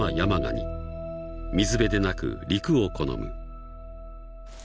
［水辺でなく陸を好む］